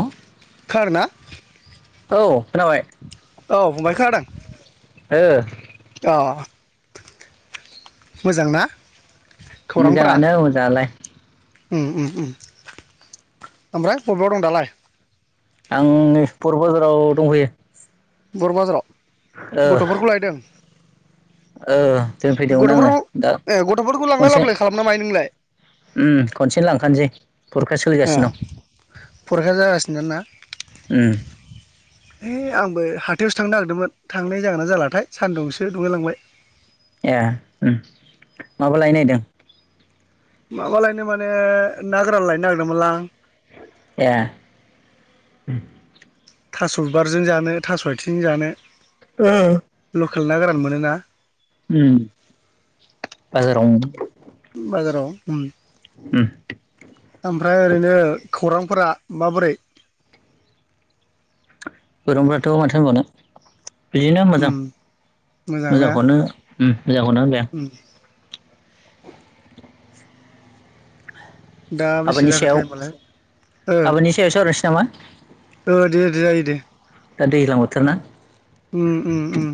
औ खारना? औ खोनाबाय। औ फंबाय खोनादों? ओ अ मोजां ना? खौरांफोरा मोजाङानो मोजालाय। उम उम उम ओमफ्राय बबेयाव दं दालाय? आं ब'र' बाजाराव दंफैयो। बर' ओ बाजाराव गथ'फोरखौ लायदों? ओ दोन फैदोंमोन आङो गथ'फोरखौ दा ए गथ'फोरखौ लांलाय लाबोलाय खालामो नामा मायो नोंलाय? ओम खनसेनो लांखानोसै फुरखा सोलिगासिनो दं। फुरखा जागासिनो ना? उम। हे आंबो हाथायावसो थांनो नागिरदोंमोन। थांनाय जागोना जालाथाय सान्दुंसो दुंलायलांबाय। ए ओम माबा लाय नायदो? माबालायनो माने, ना गोरान लायनो नागिरदोंमोनलां। ए उम। थास' बिबारजों जानो थास' आयथिंजों जानो। ओ लखेल ना गोरान मोनोना? उम बाजाराव मोनो। बाजाराव उम ओमफ्राय ओरैनो खौरांफोरा माबोरै? गोरोंफ्राथ' माथो होनबावनो बिदिनो उम मोजां मोजां ना मोजांखौनो ओम मोजांखौनो होनबाय आं। उम। दा बेसे आबादनि जाखो सायाव थायेमालाय ओ। आबादनि सायाव सावरायनोसै नामा ओ दि दि जायो दे। दा दैज्लां बोथोर ना? ओम ओम ओम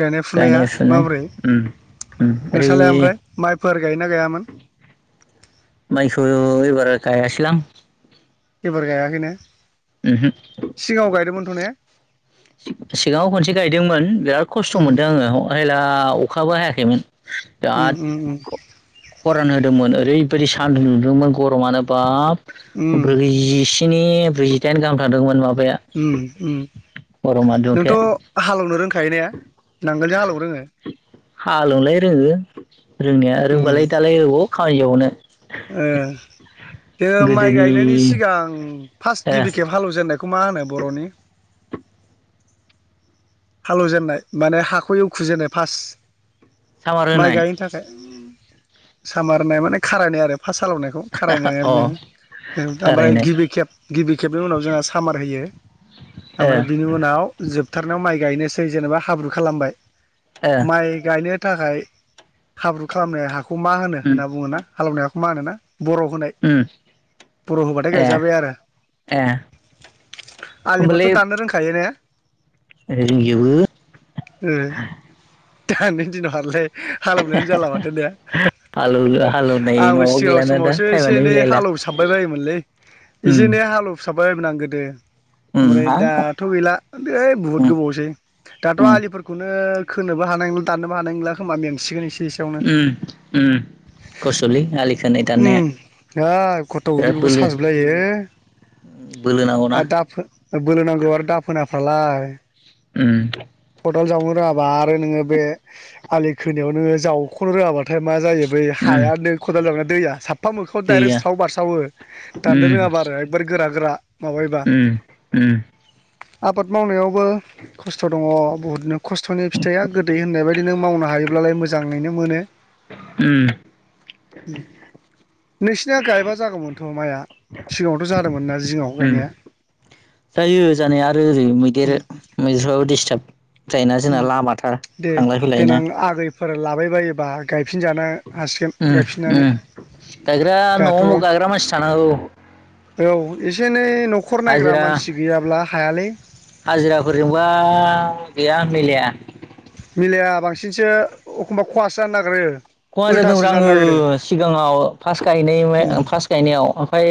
गायनाय फुनाया फुनाय माबोरै उम उम नोंसालाया ओरै ओमफ्राय? माइफोर गायोना गैयामोन? माइखो एबार गायासैलां। एबार गाहामैनो? ओहोम सिगाङाव गायदोंमोनथ' ने? सिगाङाव खनसे गायदोंमोन बिराद खस्थ' उम मोनदों आङो आयला अखाबो हायाखैमोन। उम बिराद उम उम गिख' खरान होदोंमोन। ओरैबायदि सान्दुं दुंदोंमोन गरमानो बाब उम ब्रैजि स्नि ब्रैजिदाइन गाहाम थांदोंमोन माबाया। ओम ओम गरमा नोंथ' दुंथाया हालेवनो रोंखायो ने नांगोलजों हालेवनो रोङो। हालोवनोलाय रोङो रोंनाया उम रोंबालाय दालाय अबाव खामानि जाबावनो। ओ ओ माइ गोदोनि गायनायनि सिगां फास्त ओ गिबि खेब हालेव जेननाय खौ मा होनो बर'नि? हाल एवजेननाय माने हाखौ एवखुजेननाय फार्स्ट सामार माइ होनाय गायनो थाख ए सामार होनाय माने खारायनाय आरो फास्ट हाल एवनाय खौ खारायनाय होननानै अ बुङो ओ- ओमफ्राय थारैनो गिबि खेब गिबि खेबनि उनाव जोंहा सामार होयो। ओ आमफ्राय बिनि उनाव जोबथारनायाव माइ गायनोसै जेनेबा हाब्रु खालामबाय ओ माइ गायनो थाखाय हाब्रु खालामनाय हाखौ मा होनो उम होनना बुङो ना हाल एवनाय हाखौ मा होनो ना बर' होनाय उम बर' होबाथाय ए गायजाबाय आरो आलिफोरथ' दाननो रोंखायो ने ए रोंजोबो ओ दानि दिनावलाय हाल एवनायानो जाला माथो ने हालौ हालौनाय आंबो माबा सिगां गैलाना दा समावसो एसे टाइमानो एनै मिलायला हाल एवसाबबाय बायोमोनलै एसे उम एनै हाल एव साबबायबायोमोन आं गोदो उम ओमफ्राय हा दाथ' गैला ए बुहुद उम गोबावसै दाथ' उम आलिफोरखौनो खोनोबो हानाय नंला दाननोबो हानाय नंला खोमा मेंसिगोन एसे एसे उम उम खस्थ'लै आलि खोनाय दाननाया उम है खथ' उदै बिराद बेखौ बोलो साजोबलायो बोलो नांगौना आरो दाफो बोलो नांगौ आरो दाफोनाफ्रालाय उम खदाल जावनो रोङाबा आरो नोङो बे आलि खोनायाव नोङो जावख'नो रोङाबाथाय मा जायो बै उम हाया नों खदाल जावनाय दैया साफा मोखांआव दाइरेक्ट गैया स्राव बारस्रावो दाननो उम रोङाबा आरो जोबोर गोरा गोरा माबायोबा उम उम आबाद मावनायावबो खस्थ' अ बहुतनो खस्थ'नि फिथाइआ गोदै होननाय बायदि नो मावनो हायोब्लालाय मोजाङैनो मोनो उम नोंसिनिया गायबा जागौमोनथ' माइया सिगाङावथ' जादोंमोन ना जिङाव उम गायनाया जायो जानाया आरो ओरै मैदेर उम मैदेरफ्राबो दिसताब जायोना उम जोंना लामाथार थांलाय फैलाय ना फोर लाबायबायोबा गायफिनजानो हासिगोन उम गायफिननानै दाथ' हालौ औ एसे एनै न'खर नायग्रा हाजिरा मानसि गैयाब्ला हायालै हाजिराफोरजोंबा गैया मिलाया मिलाया बांसिनसो एखमबा खहासो जानो नागिरो खहा उल्थासो जादोंब्रा जानो आङो नागिरो सिगाङाव फास्त गायनाय उम फास्ट गायनायाव ओमफ्राय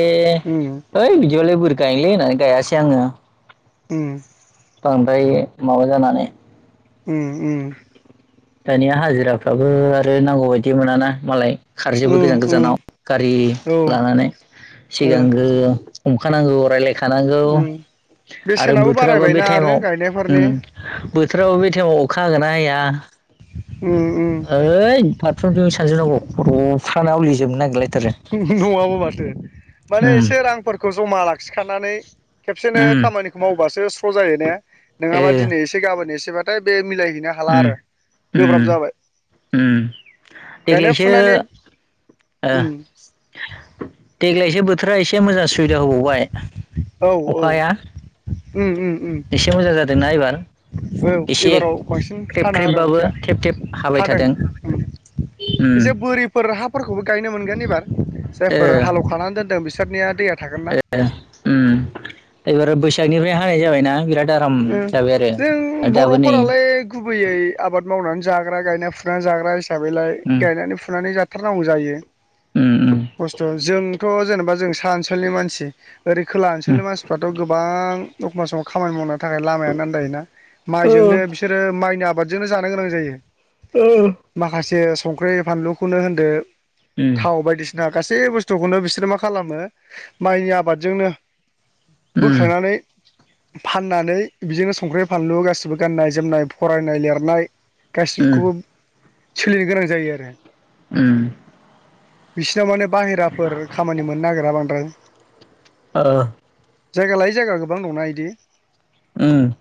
उम ओइ बिदिबालाय बोरै गायनोलै होननानै गायासै आङो उम बांद्राय माबा जानानै उम उम दानिया हाजिराफ्राबो आरो नांगौ बायदि मोनाना मालाय खारजोबो उम उम गोजान उम गोजानाव गारि औ लानानै ओ सिगांग्रो हमखानांगौ राय्लायखानांगौ उम आरो बेसेनाबो बोथोराबा बे बारायबायना टाइमाव आरो गायनायफोरनि उम बोथोराव बे टाइमाव अखा हागोन ना हाया उम उम ओइ फारफ्रोमजों सानजोनांगौ ख'फ्रानाव लेजोबनो नांगिरलाय नड़ाबा माथो माने उम एसे रांफोरखौ जमा लाखिखानानै खेबसेनो उम खामानिखौ मावबासो स्र' जायो ने ओ नङाबा दिनै एसे से गाबोन एसेबाथाय बे मिलायहैनो हाला उम आरो उम गोब्राब जाबाय उम गायनाय देग्लायसो फुनायनि ओ उम देग्लायसो बोथोरा एसे मोजां सुबिदा होबावबाय औ औ अखाया उम उम उम एसे मोजां जादोंना एबार औ एसे एबाराव बांसिन ख्रेब थाना आरो ख्रेबबाबो अखाया थेब थेब हाबाय हादों थादों उम उम एसे बोरि फोर हाफोरखौबो गायनो मोनगोन एबार ओ जायफोर हालेवखानानै दोनदों बिसोरनिया दैया थागोन ना ए उम एबार बैसागनिफ्राय हानाय जाबायना बिराद आराम ओम जाबाय आरो जों आरो दाबो नै बर'फोरालाय गुबैयै आबाद मावनानै जाग्रा गायना फुनानै जाग्रा हिसाबैलाय उम गायनानै फुनानै जा जाथारनांगौ जायो ओम ओम खस्थ' जोंथ' जेनेबा जों सा ओनसोलनि मानसि ओरै खोला उम ओनसोलनि मानसिफ्राथ' गोबां एखनब्ला समाव खामानि मावना नि थाखाय लामाया आन्दायोना ओ माइजोंनो बिसोरो माइनि आबादजोंनो जानो गोनां जायो ओ माखासे संख्रि फानलुखौनो होनदो उम थाव बायदिसिना दा गासै बुस्थुखौनो बिसोरो मा खालामो माइनि आबादजोंनो उम बोखांनानै फान फाननानै बिदिनो संख्रि फानलु गाैबो गाननाय जोमनाय फरायनाय लिरनाय गासिबखौबो सोलिनो गोनां जायो आरो ओम बिसिनाव माने बाहेराफोर खामानि मोननो नागिरा बांद्राय ओ जायगा लायै जायगा गोबां दंना बिदि ओम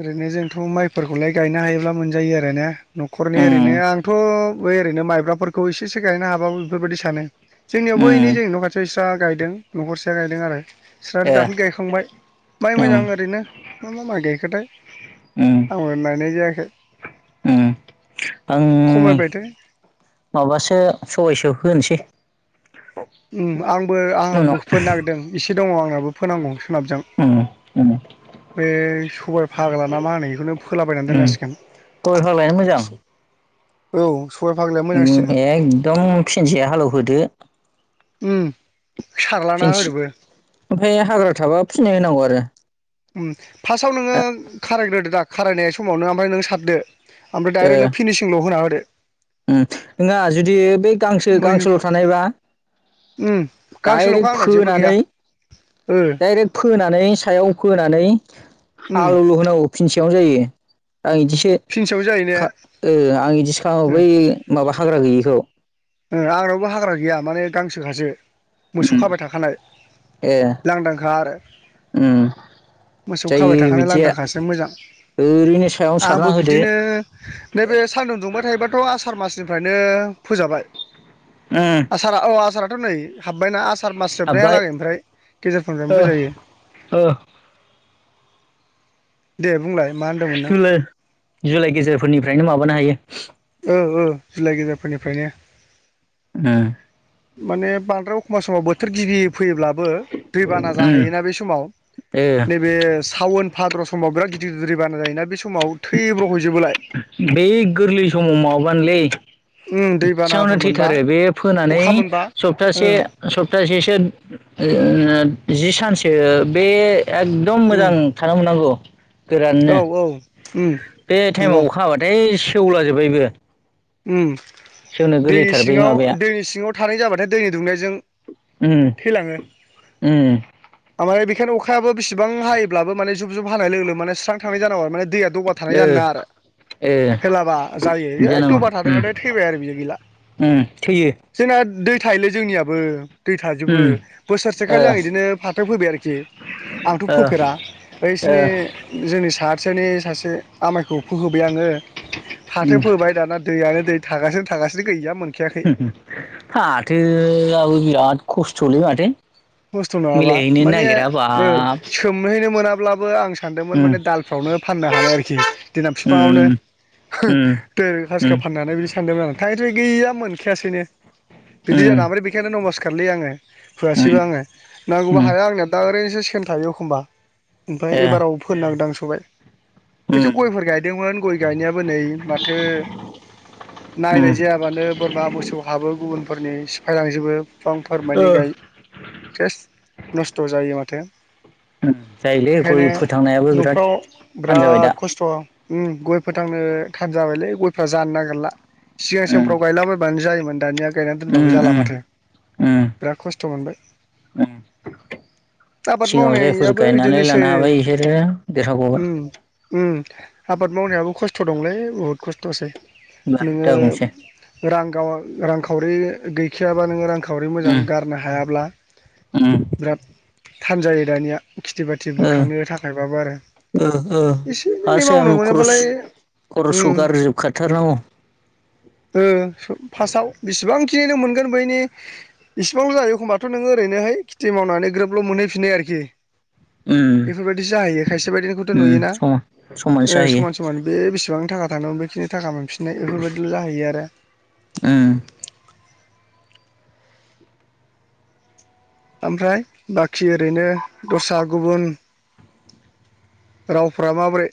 ओरैनो जोंथ' माइफोरखौलाय गायनो हायोब्ला मोनजायो आर आरो ने न'खरनि ओरैनो आंथ' बै ओरैनो माइब्राफोरखौ इसेसो गायनो हाबो बेफोरबायदि सानो जोंनियावबो ओै जोंनि न खा स्र्रि स्रा गायदों न'खरसेया गायदों आरो बिस्रा दाखालि ओ गायखांबाय माइ ओम मोजां ओरैनो मा मा माइ गायखोथाय ओम आंबो नायनाय जायाखै ओम आं खमायबायथाय माबासो सबायसो फोनोसै आंबो आंबो फोनो नागिरदों एसे दङ आंनाबो फोनांगौ सोनाबजों ओम ओम बे सबाइ फाग्लाना मा होनो बेखौनो फोलाबायनानै दोननांसिगोन सबाइ फालायानो मोजां औ सबाइ फाग्लाया ओम मोजांसिन एखदम फिनसे हालेवहोदो ओम फिसि ओमफ्राय हाग्रा थाबा फिननै होनांगौ आरो फार्स्टाव नोङो खारायग्रोदो दा खारायनाय समावनो ओमफ्राय नों सारदो ओमफ्राय डाइरेक्टनो फिनिसिंल' होना होदो ओम नङा जुदि बे गांसो मै गांसोल' होगोन थानायबा उम गांसेल'खा डाइरेक्ट आंनाव जेबो गैया फोनानै ओ डाइरेक्ट फोनानै सायाव फोनानै उम हालौल' होनांगौ। फिनसेयावनो जायो आं बिदिसो फिनसेयाव जायो ने आं बिदिसो खालामो ओ बै माबा हाग्रा गैयिखौ। ओ आंनावबो हाग्रा गैया माने गांसोखासो। मोसौ खाबाय थाखानाय ए लांदांखा आरो उम मोसौ खाबाय जायो थाखानाय बिदिया लांदांखासो मोजां ओरैनो सायावनो सारना आंबो होदो बिदिनो नैबे सान्दुं दुंबाय थायोबाथ' आसार मासनिफ्रायनो फोजाबाय। ओम आसारा औ आसाराथ' नै हाबबायना आसार सार मास जोबनायालागै ओमफ्राय ओ गेजेरफोरनिफ्रायनो फोजायो ओ दे बुंलाय। मा होनदोंमोन नों जुलाइ जुलाइ गेजेरफोरनिफ्रायनो माबानो हायो। ओ ओ जुलाइ गेजेरफोरनिफ्रायनो। उम। माने बांद्राय एखमब्ला समाव बोथोर गिबि फोयोब्लाबो दै बाना उम जाहैयोना बे समाव ओ नैबे सावन भाद्र' समाव बिराद गिदिर गिदिर दै बाना जायोना बे समाव थैब्र' हैैजोबोलाय। बे गोरलै समाव माबानोलै उम इसेयावनो दैबानाफोर मोनबा थैथारो बे फोनानै अखा मोनबा ओ सप्तासे सप्तासेसो ओ जि सानसो बे एकदम उम मोजां थानो मोननांगौ। गोराननो औ औ उम बे नंगौ टाइमाव अखा हाबाथाय सेवला जोब्बायबो। उम। सेवनो दैनि गोरलैथारबै सिङाव माबाया दैनि सिङाव थानाय जाबाथाय दैनि दुंनायजों उम उम। माने बेखायनो अखायाबो बेसेबां हायोब्लाबो माने जुब जुब हानाय लोगो माने स्रां जानांगौ आरो माने दैया दबा थानाय ओ जानो नाङा आरो। हेलाबा जायो बिदि एै जानांगौ दबा उम थादोंबाथाय थैबाय आरो बियो गैला। उम थैयो जोंना दै थायोलै जोंनियाबो। दै थाजोबो उम ओ बोसोरसेखालि आं बिदिनो फाथो फोबाय आरोखि आंथ' फोफेरा, ओ बैसिनि जोंनि साहाथिंजायनि सासे आमाइखौ फोहोबाय आङो फाथो उम फोहोबाय दाना दैयानो दै थागासिनो थागासिनो गैया मोन फाथो आबो बिराद खस्थ'लै माथो। खस्थ' नङाबा मिलायहैनो माने नागिरा ओ बाब सोमहैनो मोनाब्लाबो आं सान्दोंमोन उम माने दालफ्रावनो फाननो हानाय आरोखि देनां उम बिफाङावनो उम दोर उम हसिखा फाननानै बिदि सानदोंमोन आं थांङै थुङै गैया मोनखायासैनो। बिदि उम जादों। ओमफ्राय बेखायनो नमासखारारलै आङो फोआसेैबो उम आङो नांगौबा उम हाया आंनिया दा ओरैनोसो सेम थायो एखमबा ओमफ्राय ए एबाराव फोनो नागिरदों आं सबाय। एसे उम गयफोर गायदोंमोन गय गायनायाबो नै माथो उम नायनाय जाया ओ बानो बोरमा मोसौ हाबो गुबुनफोरनि सिफायलांजोबो बिफांफोर मानि गाय उम सेस नस्थ' जायो माथो। जायोलै बेखायनो गय फोथांनायाबो बिराद न'फ्राव थान जाबाय दा बिराद खस्थ' उम गय फोथांनो थान जाबायलै गयफ्रा जानो नागिरला। सिगां उम समफ्राव गायलाबायबानो जायोमोन दानिया गायनानै उम दोनबाबो जाला उम माथो बिराद खस्थ' मोनबाय। उम। आबाद सिगाङाव जायफोर मावनायाबो गायनानै बिदिनोसै लानो हाबाय बिसोरो देरहा गबाय। उम उम। आबाद मावनायाबो खस्थ' दंलै बुहुद खस्थ'सै। होनबा नोङो दाबुंसै रां गावा रांखावरि गैखायाबा नोङो रांखावरि मोजां उम गारनो हायाब्ला उम बिराद थान जायो दानिया खिथि बा थि ओ बोखांनो थाखायबाबो आरो। ओ ओ फार्स्ट एसेै सेम मावनो मोनोबालाय खरस खौ उम गारजोब खाथारनांगौ‌। ओ फार्स्टआव बेसेबांखिनि नों मोनगोन बैनि इसिबांल' जायो एखमबाथ' नोङो ओरैनोहाय खेथि मावनानै ग्रोबल' मोनहैफिननो आरोखि। उम बेफोरबायदि जाहैयो खायसे बायदिनिखौथ' उम नुयोना? समा ओ जाहैयो समान स मान बे बेसेबां थाखा थांदोंमोन बेखिनि थाखा मोनफिननाय बेफोरबायदिल' जाहैयो आरो‌। उम। ओमफ्राय बाखि ओरैनो दस्रा गुबुन रावफ्रा माबोरै?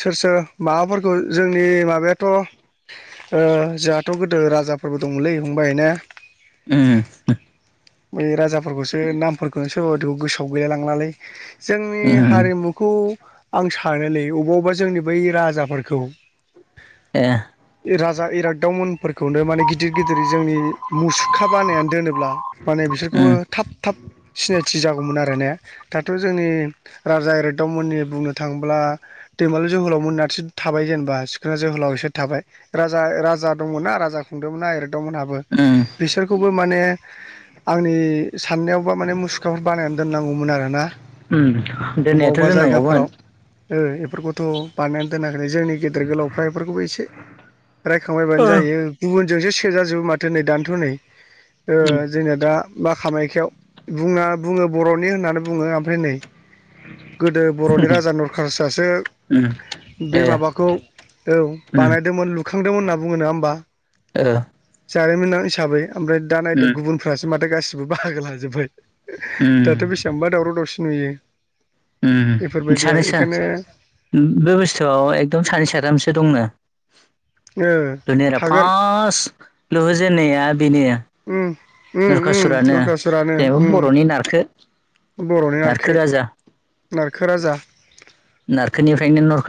सोर सोर माबाफोरखौ जोंनि माबायाथ' ओ जोंहाथ' गोदो राजाफोरबो दंमोनलै फंबाय ने? उम बै राजाफोरखौसो नामफोरखौनो सोरबाखौ गोसोआव गैलाय लांलालै। जोंनि उम हारिमुखौ आं सानोलै अबेबा अबेबा जोंनि बै राजाफोरखौ ए राजा इरागदावमोननफोरखौनो माने गिदिर गिदिर जोंनि मुसुखा बानायनानै दोनो। माने बिसोरखौबो उम थाब थाब सिनायथि जागौमोन आरो ने। दाथ' जोंनि राजा इरागदावमोननि बुंनो थांङोब्ला। दैमालु जोहोलाव मोनासो थाबाय जेनेबा सिखोना जोहोलाव बिसोर थाबाय राजा राजा दंना राजा खुंदोंमोनना एरदोंमोनहाबो उम बिसोरखौबो माने आंनि साननायावबा माने मुसुखाफोर बानायनानै दोननांगौमोन आरोना। ओम अबेबा दोननायाथ' अबेबा जायगाफोराव दोननांगौमोन। बेफोरखौथ' बानायनानै दोनाखैै जोंनि गेदेर गोलावफ्रा बेफोरखौबो एसे रायखांबायबानो ओ जायो गुबुनजोंसो सेजाजोबो माथो नै दानोथ' नै उम जोंनो दा बा कामायखयाव बुंना बुंङो बर'नि होननानै बुंङो ओमफ्राय नै गोदो बर'नि राजा नरखासुर आसो उम बे ए माबाखौ औ उम बानायदोंमोन लुखांदोंमोन होनना बुंङो नंङा होमबा? ओ जारिमिन हिसाबै ओमफ्राय दा नायदो उम गुबुनफ्रासो माथो गासिबो बाहागो लाजोब्बाय। उम दाथ' बेसेबांबा दावराव दावसि नुयो उम बेफोरबायदि आरो सानै सा बेखायनो बे बुस्थुआव एकदम सानै साथामसो दंनो। ओ दुनिरा थागोन फास्त लुहोजेननाया बेनो। ओम ओम ओम नरखासुरानो नरकासुरानो जेनेबा बर'नि नारखो बर'नि नारखो। नारखो राजा। नारखोनिफ्रायनो नरक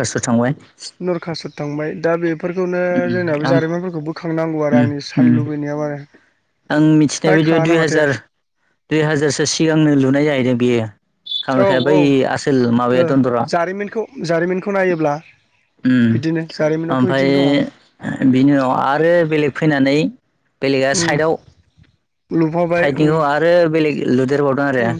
नरखासुर थांबाय दा बे फोरफोरखौनो जोंनाबो ओम जारिमिनफोरखौ बोखांनांगौ आरो ओम आंनि सान ओम लुबैनायाव आरो आं मिथिनाय बायदि रायखाङानो दुइ माथो हाजार दुइ हाजारसो सिगांनो लुनाय जाहैदों बेयो औ कामाख्या औ बै आसोल ओ माबया दन्दर। जारिमिनखौ जारिमिनखौ नायोब्ला ओम बिदिनो जारिमिनावथ' ओमफ्राय बिदिनो दङो। बिनि उनाव आरो बेलेग फैनानै बेलेगा उम साइदआव लुफाबाय उम साइडनिखौ आरो बेलेग लुदेरबावदों आरो। उम